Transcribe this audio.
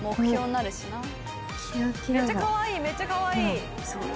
めちゃかわいいめちゃかわいい。